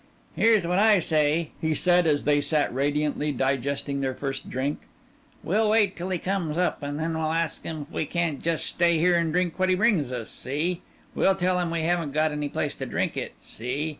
"Here's what I say," he said, as they sat radiantly digesting their first drink. "We'll wait till he comes up, and we'll ask him if we can't just stay here and drink what he brings us see. We'll tell him we haven't got any place to drink it see.